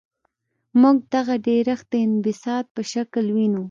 موږ دغه ډیرښت د انبساط په شکل وینو.